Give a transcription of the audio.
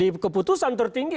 di keputusan tertinggi